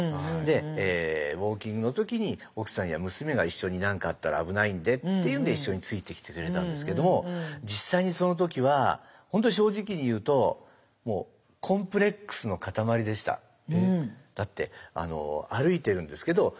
ウォーキングの時に奥さんや娘が一緒に何かあったら危ないんでっていうんで一緒についてきてくれたんですけども実際にその時は本当に正直に言うとだって歩いてるんですけど